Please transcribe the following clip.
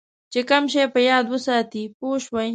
چې کم شی په یاد وساتې پوه شوې!.